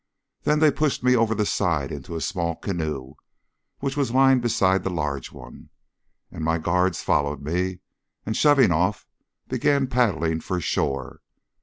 They then pushed me over the side into a small canoe, which was lying beside the large one, and my guards followed me, and shoving off began paddling for the shore.